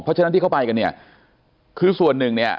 เพราะฉะนั้นที่เขาไปกันเนี่ยคือส่วนหนึ่งเนี่ย